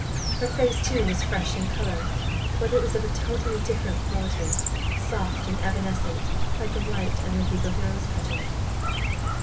Her face too was fresh in colour, but it was of a totally different quality—soft and evanescent, like the light under a heap of rose petals.